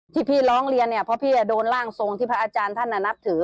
ที่พี่ร้องเรียนเนี่ยเพราะพี่โดนร่างทรงที่พระอาจารย์ท่านนับถือ